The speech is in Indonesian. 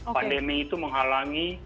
pandemi itu menghalangi